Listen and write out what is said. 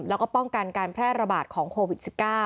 แล้วก็ป้องกันการแพร่ระบาดของโควิด๑๙